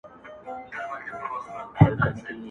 دا تر ټولو مهم کس دی ستا د ژوند په آشیانه کي,